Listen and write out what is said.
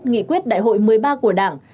nghị quyết đại hội một mươi ba của đảng